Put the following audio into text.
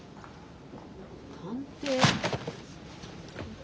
「探偵」？